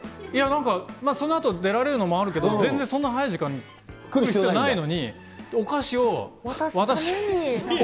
いやなんか、そのあと出られるのもあるけど、全然そんな早い時間に来る必要ないのに、お菓子を私に。